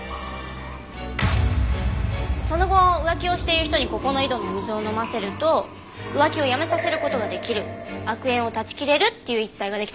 その後浮気をしている人にここの井戸の水を飲ませると浮気をやめさせる事が出来る悪縁を絶ち切れるっていう言い伝えが出来たみたいです。